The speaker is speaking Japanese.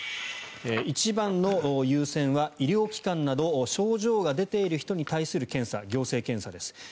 一番の優先は医療機関など症状が出ている人に対する検査行政検査です。